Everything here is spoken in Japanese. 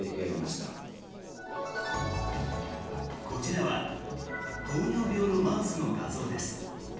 こちらは糖尿病のマウスの画像です。